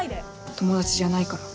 友達じゃないから。